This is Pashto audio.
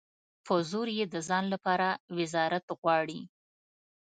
په زور یې د ځان لپاره وزارت غواړي.